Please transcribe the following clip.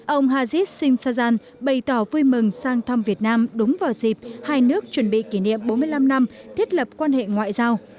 ông hajit singsajan bày tỏ vui mừng sang thăm việt nam đúng vào dịp hai nước chuẩn bị kỷ niệm bốn mươi năm năm thiết lập quan hệ ngoại giao